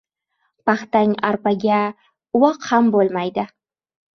Paxtang arpaga uvoq ham bo‘lmaydi.